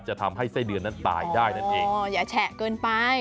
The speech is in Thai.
จะทำให้ไส้เดือนนั้นตายได้นั่นเองอ๋ออย่าแฉะเกินไป